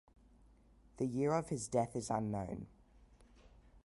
The year of his death is unknown.